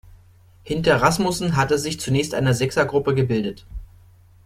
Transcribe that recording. Hinter Rasmussen hatte sich zunächst eine Sechsergruppe gebildet.